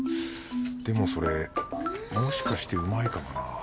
でもそれもしかしてうまいかもな